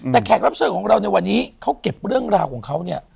แต่แขกรับเชิญของเราในวันนี้เขาเก็บเรื่องราวของเขาเนี่ย